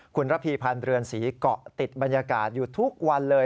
คุณระพีพันธ์เรือนศรีเกาะติดบรรยากาศอยู่ทุกวันเลย